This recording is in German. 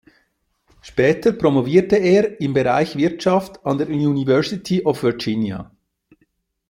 Später promovierte er im Bereich Wirtschaft an der University of Virginia.